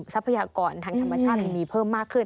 ทรัพยากรทางธรรมชาติมันมีเพิ่มมากขึ้น